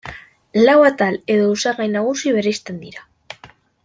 Lau atal edo osagai nagusi bereizten dira.